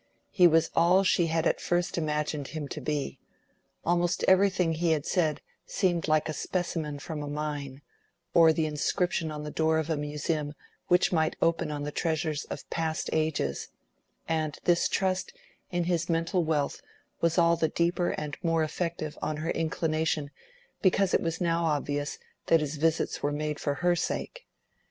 He was all she had at first imagined him to be: almost everything he had said seemed like a specimen from a mine, or the inscription on the door of a museum which might open on the treasures of past ages; and this trust in his mental wealth was all the deeper and more effective on her inclination because it was now obvious that his visits were made for her sake.